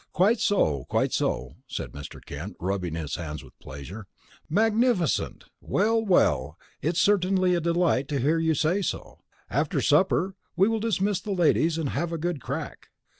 "Quite so, quite so!" said Mr. Kent, rubbing his hands with pleasure. "Magnificent! Well, well, it is certainly a delight to hear you say so. After supper we will dismiss the ladies and have a good crack.